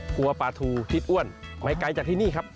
กลัวปลาทูคิดอ้วนไม่ไกลจากที่นี่ครับ